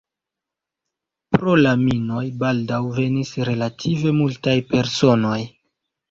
Pro la minoj baldaŭ venis relative multaj personoj.